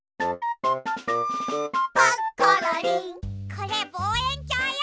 これぼうえんきょうよ。